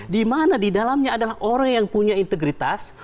di mana di dalamnya adalah orang yang punya integritas